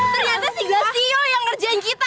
ternyata si glassio yang ngerjain kita